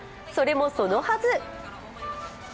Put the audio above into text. それもそのはず。